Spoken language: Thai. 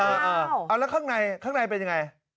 เอาแล้วข้างในข้างในเป็นยังไง